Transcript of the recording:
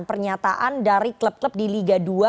pernyataan dari klub klub di liga dua